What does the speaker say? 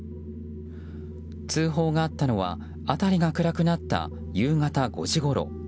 通報があったのは辺りが暗くなった夕方５時ごろ。